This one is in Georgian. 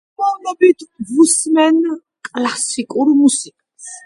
სიამოვნებით ვუსმენ კლასიკურ მუსიკას